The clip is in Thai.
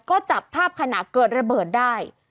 ก็จับภาพขณะเกิดระเบิดได้